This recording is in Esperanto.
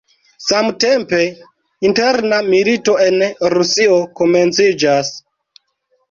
Samtempe, interna milito en Rusio komenciĝas.